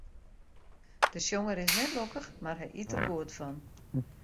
De sjonger is net lokkich, mar hy yt der goed fan.